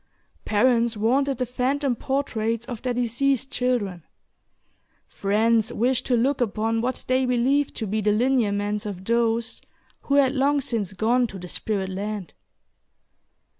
Parents wanted the phantom portraits of their deceased children. Friends wished to look upon what they believed to be the lineaments of those who had long since gone to the spirit land.